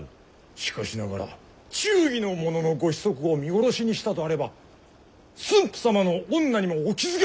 しかしながら忠義の者のご子息を見殺しにしたとあれば駿府様の御名にもお傷が！